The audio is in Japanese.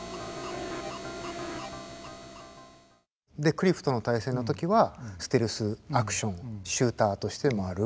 でクリフとの対戦の時はステルスアクションシューターとしてもある。